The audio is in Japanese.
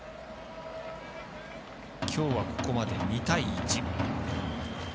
きょうはここまで２対１。